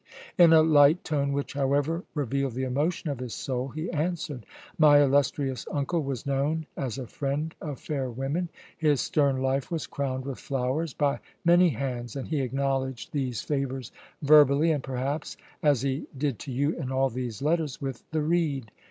In a light tone which, however, revealed the emotion of his soul, he answered: "My illustrious uncle was known as a friend of fair women. His stern life was crowned with flowers by many hands, and he acknowledged these favours verbally and perhaps as he did to you in all these letters with the reed.